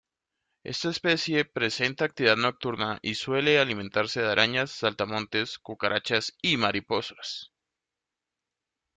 Esta especie presenta actividad nocturna y suele alimentarse de arañas, saltamontes, cucarachas y mariposas.